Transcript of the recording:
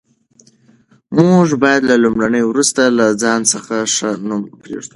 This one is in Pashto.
موږ باید له مړینې وروسته له ځان څخه ښه نوم پرېږدو.